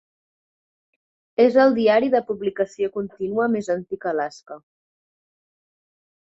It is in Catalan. És el diari de publicació contínua més antic a Alaska.